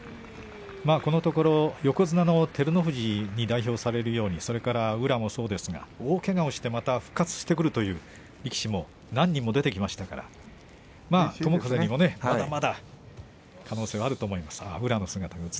このところ、横綱の照ノ富士に代表されるようにそれから宇良もそうですが大けがをしてまた戻ってくるという力士も何人も出てきましたから友風にもまだまだ可能性はあると思います。